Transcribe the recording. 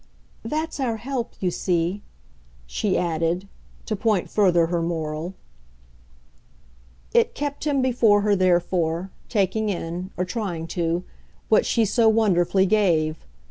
"That's our help, you see," she added to point further her moral. It kept him before her therefore, taking in or trying to what she so wonderfully gave.